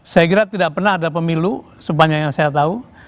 saya kira tidak pernah ada pemilu sebanyak yang saya tahu